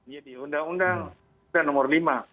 jadi undang undang itu nomor lima